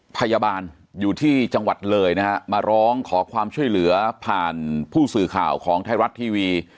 พยาบาลอยู่ที่จังหวัดเลยนะฮะมาร้องขอความช่วยเหลือผ่านผู้สื่อข่าวของไทยรัฐทีวี